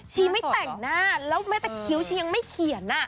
ไม่แต่งหน้าแล้วแม้แต่คิ้วชียังไม่เขียน